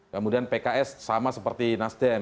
kemudian pks sama seperti nasdem